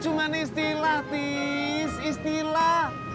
cuman istilah tis istilah